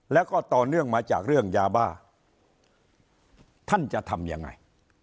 แล้วก็ต่อเนื่องมาจากเรื่องยาบ้าท่านจะทำยังไง